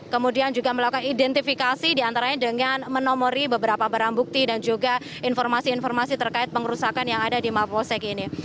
kemudian juga melakukan identifikasi diantaranya dengan menomori beberapa barang bukti dan juga informasi informasi terkait pengerusakan yang ada di mapolsek ini